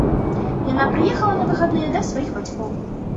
Яна прыехала на выхадныя да сваіх бацькоў.